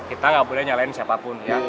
kita gak boleh nyalain siapa siapa